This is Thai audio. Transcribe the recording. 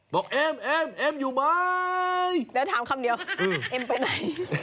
บอกเอ็มเอ็มอยู่ไหมเอ็มไปไหนจะถามคำเดียว